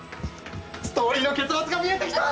ストーリーの結末が見えてきた！